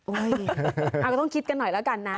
อุ๊ยอ้าวก็ต้องคิดกันหน่อยแล้วกันนะ